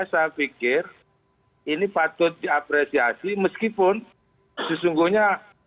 saya pikir ini patut diapresiasi meskipun sesungguhnya